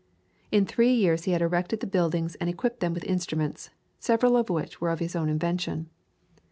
In three years he had erected the buildings and equipped them with instruments, several of which were of his own invention.